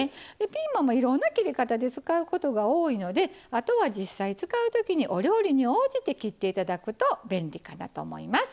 ピーマンはいろんな切り方で使うことが多いのであとは実際使う時にお料理に応じて切って頂くと便利かなと思います。